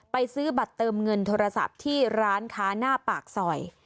ซื้อบัตรเติมเงินโทรศัพท์ที่ร้านค้าหน้าปากซอย